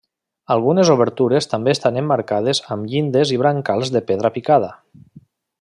Algunes obertures també estan emmarcades amb llindes i brancals de pedra picada.